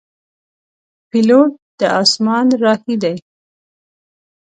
پیلوټ د اسمان راهی دی.